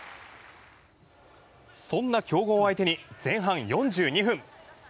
そんな強豪相手に前半４２分。